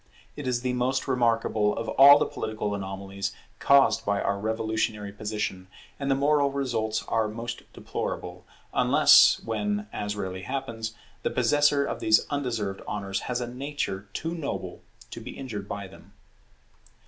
It is the most remarkable of all the political anomalies caused by our revolutionary position; and the moral results are most deplorable, unless when, as rarely happens, the possessor of these undeserved honours has a nature too noble to be injured by them.